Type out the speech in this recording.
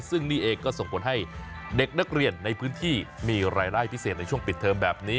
ซึ่งนี่เองก็ส่งผลให้เด็กนักเรียนในพื้นที่มีรายได้พิเศษในช่วงปิดเทอมแบบนี้